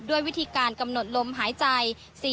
ด้วยวิธีการกำหนดลมหายใจ